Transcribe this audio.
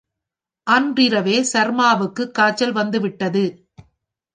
அன்றிரவே சர்மாவுக்குக் காய்ச்சல் வந்துவிட்டது.